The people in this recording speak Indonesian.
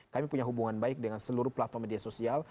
kami punya hubungan baik dengan seluruh platform media sosial